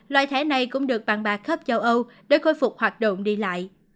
loại thẻ này cũng được bàn bạc khắp châu âu để khôi phục hoạt động đi lại